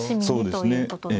そうですね。